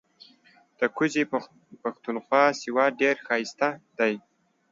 ده کوزی پښتونخوا سوات ډیر هائسته دې